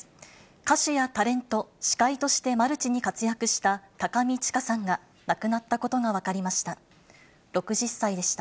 歌手やタレント、司会としてマルチに活躍した高見知佳さんが亡くなったことが分かりました。